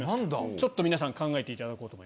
ちょっと皆さん考えていただこうと思います。